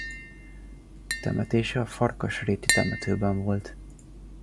Temetése a Farkasréti temetőben volt.